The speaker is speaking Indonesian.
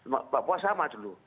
nah papua sama dulu